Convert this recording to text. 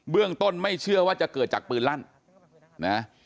เรื่องต้นไม่เชื่อว่าจะเกิดจากปืนลั่นนะ